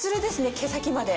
毛先まで。